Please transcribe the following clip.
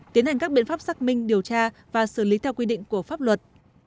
tiến hành các biện pháp xác minh điều tra và xử lý theo quy định của pháp luật